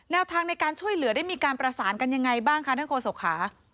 ทางในการช่วยเหลือได้มีการประสานกันยังไงบ้างคะท่านโฆษกค่ะ